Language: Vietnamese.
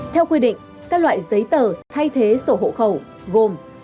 theo quy định các loại giấy tờ thay thế sổ hộ khẩu gồm